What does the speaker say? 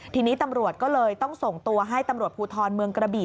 ทีนี้ตำรวจก็เลยต้องส่งตัวให้ตำรวจภูทรเมืองกระบี่